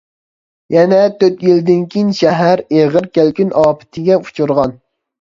يەنە تۆت يىلدىن كىيىن شەھەر ئېغىر كەلكۈن ئاپىتىگە ئۇچرىغان.